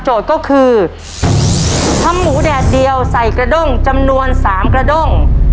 ก็คือทำหมูแดดเดียวใส่กระด้งจำนวนสามกระด้ง